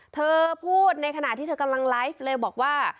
เธอพูดในขณะที่เธอกำลังไลฟ์เลยบอกว่า